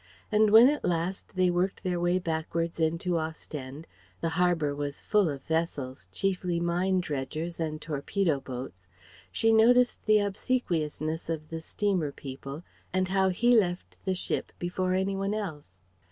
And when at last they worked their way backwards into Ostende the harbour was full of vessels, chiefly mine dredgers and torpedo boats she noticed the obsequiousness of the steamer people and how he left the ship before any one else.